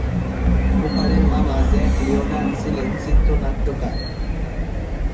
কুপারের মামা Jack Leonard ছিলেন চিত্রনাট্যকার।